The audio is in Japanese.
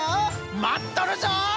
まっとるぞ！